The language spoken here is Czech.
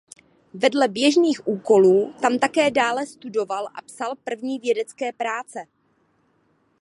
Vedle běžných úkolů tam také dále studoval a psal první vědecké práce.